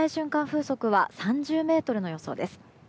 風速は３０メートルの予想です。